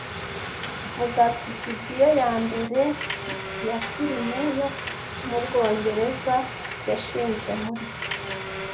Vuga sitidiyo yambere ya firime yo mubwongereza yashinzwe muri